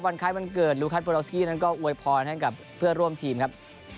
วันคาดวันเกิดลูซคัสพอระวัสดีต้อนก็โวยพรทั้งกับเพื่อนร่วมทีมครับ